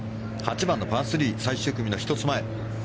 ８番のパー３最終組の１つ前。